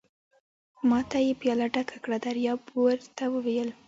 ما ته یې پياله ډکه کړه، دریاب ور ته وویل.